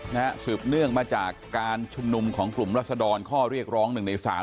สืบเนื่องมาจากการชุมนุมของกลุ่มรัศดรข้อเรียกร้องหนึ่งในสาม